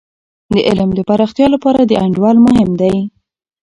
د علم د پراختیا لپاره د انډول مهم دی.